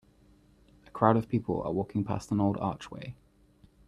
A crowd of people are walking past an old archway.